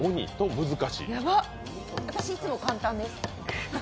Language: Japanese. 私、いつも簡単です。